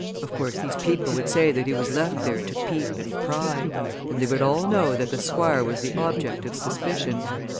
Of course, these people would say that he was left there to peep and pry and they would all know that the Squire was the object of suspicion.